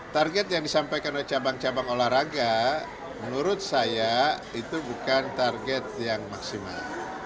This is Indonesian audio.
target yang disampaikan oleh cabang cabang olahraga menurut saya itu bukan target yang maksimal